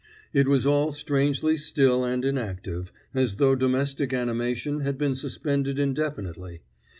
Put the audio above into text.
It was all strangely still and inactive, as though domestic animation had been suspended indefinitely.